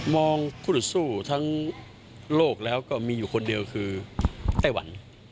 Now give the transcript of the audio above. คู่ต่อสู้ทั้งโลกแล้วก็มีอยู่คนเดียวคือไต้หวัน